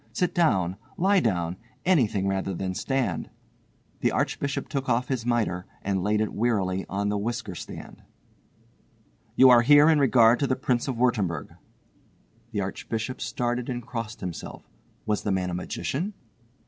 Sit down, lie down, anything rather than stand." The Archbishop took off his mitre and laid it wearily on the whisker stand. "You are here in regard to the Prince of Wurttemberg." The Archbishop started and crossed himself. Was the man a magician?